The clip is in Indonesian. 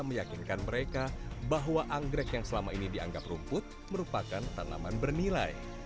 meyakinkan mereka bahwa anggrek yang selama ini dianggap rumput merupakan tanaman bernilai